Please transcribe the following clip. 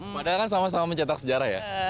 padahal kan sama sama mencetak sejarah ya